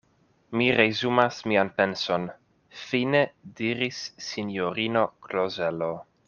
Mi resumas mian penson, fine diris sinjorino Klozelo.